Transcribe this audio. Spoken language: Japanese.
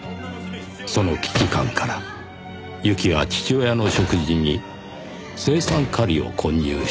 その危機感から侑希は父親の食事に青酸カリを混入したと供述。